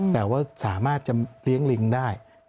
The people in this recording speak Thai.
แต่ว่าสามารถจะเลี้ยงลิงได้